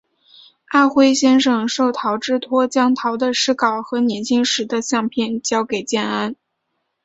阿辉先生受陶之托将陶的诗稿和年轻时的相片交给建安。